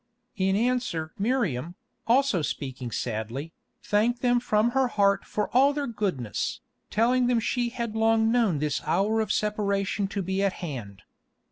In answer Miriam, also speaking sadly, thanked them from her heart for all their goodness, telling them she had long known this hour of separation to be at hand.